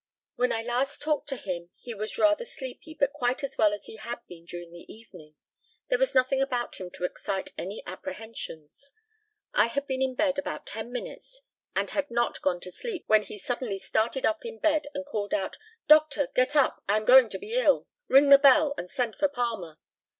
When I last talked to him he was rather sleepy, but quite as well as he had been during the evening. There was nothing about him to excite any apprehensions. I had been in bed about ten minutes, and had not gone to sleep, when he suddenly started up in bed, and called out, "Doctor, get up, I am going to be ill! Ring the bell, and send for Palmer."